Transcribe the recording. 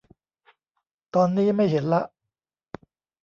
ตอนนี้ไม่เห็นละ